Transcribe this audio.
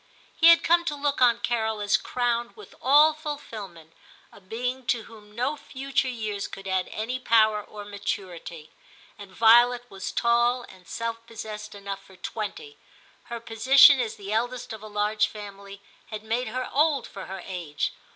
He had come to look on Carol as crowned with all fulfilment, a being to whom no future years could add any power or maturity, and Violet was tall and self possessed enough for twenty ; her position as the eldest of a large family had made her old for her age.